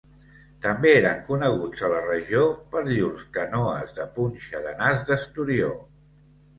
També eren coneguts a la regió per llurs canoes de punxa de nas d'esturió.